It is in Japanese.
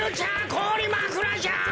こおりまくらじゃ！